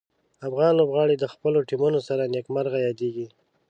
افغان لوبغاړي د خپلو ټیمونو سره نیک مرغه یادیږي.